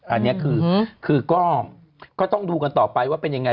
อันนี้คือก็ต้องดูกันต่อไปว่าเป็นยังไง